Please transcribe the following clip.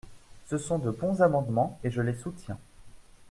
Ce sont de bons amendements et je les soutiens.